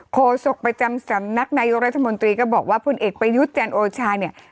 โศกประจำสำนักนายกรัฐมนตรีก็บอกว่าพลเอกประยุทธ์จันโอชาเนี่ย